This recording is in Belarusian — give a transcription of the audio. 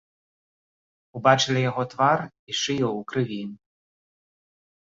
Убачылі яго твар і шыю ў крыві.